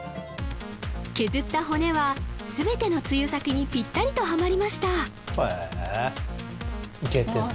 削った骨は全ての露先にぴったりとはまりましたわあ